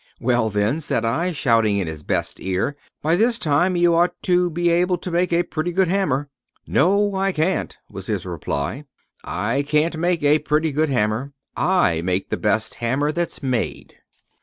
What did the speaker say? "Well, then," said I, shouting in his best ear, "by this time you ought to be able to make a pretty good hammer." "No, I can't," was his reply. "I can't make a pretty good hammer. I make the best hammer that's made."